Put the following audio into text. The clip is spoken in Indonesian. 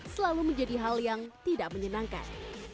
selalu menjadi hal yang tidak menyenangkan